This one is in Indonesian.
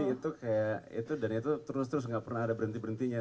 jadi itu kayak dan itu terus terus gak pernah ada berhenti berhentinya